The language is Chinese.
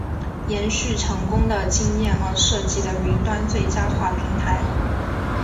延续成功的经验而设计的云端最佳化平台。